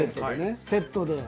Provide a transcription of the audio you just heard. セットでね。